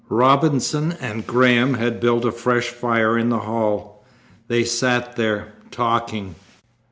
Robinson and Graham had built a fresh fire in the hall. They sat there, talking.